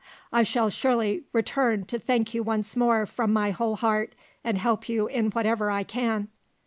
"I shall surely return to thank you once more from my whole heart and help you in whatever I can."